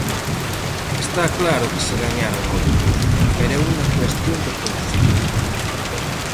Está claro que se gañaron outros, pero é unha cuestión de concepto.